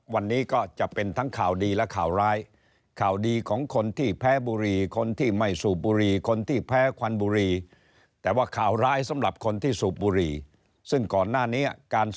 วันนี้ก็จะเป็นทั้งข่าวดีและข่าวร้าย